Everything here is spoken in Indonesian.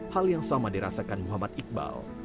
hal yang sama dirasakan muhammad iqbal